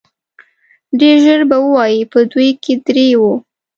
ډېر ژر به ووايي په دوی کې درې وو.